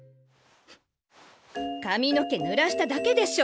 かみの毛ぬらしただけでしょ！